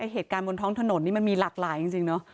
เหตุการณ์บนท้องถนนนี่มันมีหลากหลายจริงเนอะ